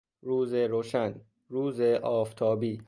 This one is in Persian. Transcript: روز روشن، روز آفتابی